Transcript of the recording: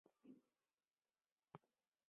后吴兆毅署雄县知县。